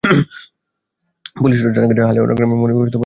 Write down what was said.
Police সূত্রে জানা গেছে, হাড়িয়ালা গ্রামের মনির সকালে কাজে বের হন।